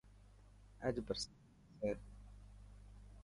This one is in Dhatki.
اڄ برسات ٿيسي.